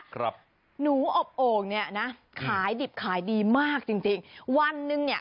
ก็อบโอบงนี่นะขายดิบขายดีมากจริงวันหนึ่งเนี่ย